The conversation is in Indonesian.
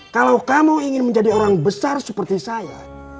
kalau kamu ingin menjadi orang besar seperti saya